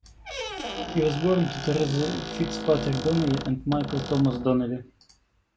He was born to Teresa Fitzpatrick Donnelly and Michael Thomas Donnelly.